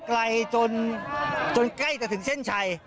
ไกลจนใกล้จะถึงเส้นชัย